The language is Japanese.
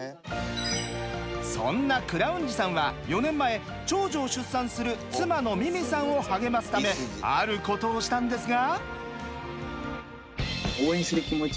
そんなクラウンジさんは４年前長女を出産する妻の美々さんを励ますためあることをしたんですが。